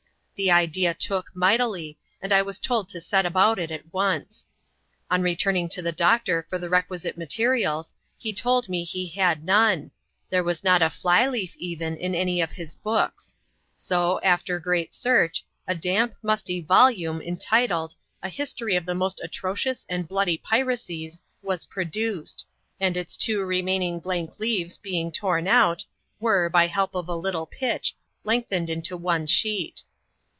The idea took mightily, and I was told to set about it at once. On turning to the doctor for the requisite materials, he told me he had none ; there was not a fiy leaf, even, in any of his books. So, after great search, a damp, musty volume, entitled '<A History of the most Atrocious and Bloody Piracies," was produced, and its two remaining blank leaves being torn out, were, by help of a little pitch, lengthened into one sheet.